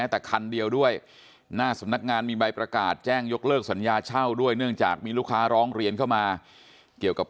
แต่ไม่เจอใครนะครับ